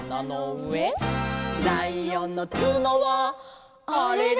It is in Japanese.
「ライオンのつのはあれれ」